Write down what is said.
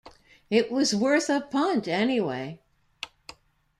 It was worth a punt, anyway!